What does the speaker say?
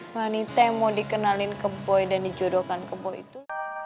wanita yang mau dikenalin kempoi dan dijodohkan kempoi itu